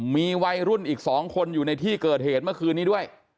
มีวัยรุ่นอีก๒คนอยู่ในที่เกิดเหตุเมื่อคืนนี้ด้วย